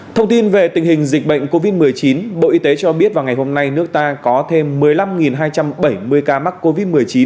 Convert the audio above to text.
thông tin về tình hình dịch bệnh covid một mươi chín bộ y tế cho biết vào ngày hôm nay nước ta có thêm một mươi năm hai trăm bảy mươi ca mắc covid một mươi chín